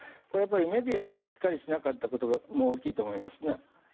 これはメディアがしっかりしなかったことも大きいと思います。